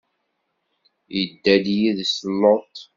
Idda-d yid-s Luṭ.